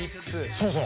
そうそう。